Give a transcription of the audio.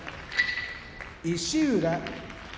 石浦